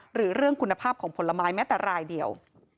หรือเรื่องคุณภาพของผลไม้แม้แต่รายเดียว